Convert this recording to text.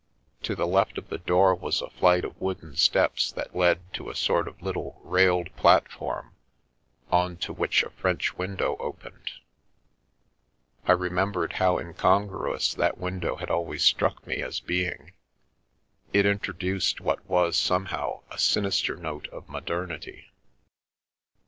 To the left of the door was a flight of wooden steps, that led to a sort of little railed platform, on to which a French window opened — I remembered how incongruous that window had always struck me as being — it introduced what was, somehow, a sinister note of modernity.